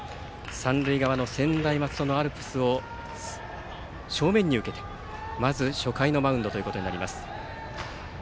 三塁側の専大松戸のアルプスを正面に受けてまず初回のマウンドとなります。